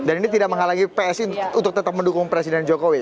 dan ini tidak menghalangi psi untuk tetap mendukung presiden jokowi kan